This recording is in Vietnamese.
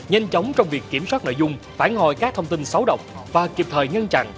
nhanh chóng trong việc kiểm soát nội dung phản hồi các thông tin xấu độc và kịp thời ngăn chặn